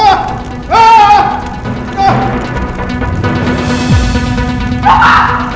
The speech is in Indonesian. ya pak makasih ya pak